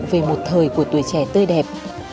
về một thời của tuổi trẻ tươi đẹp